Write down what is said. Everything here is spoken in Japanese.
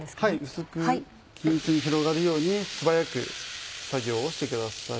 薄く均一に広がるように素早く作業をしてください。